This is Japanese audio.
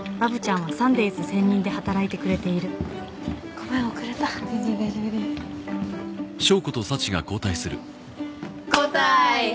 ごめん遅れた全然大丈夫です交代！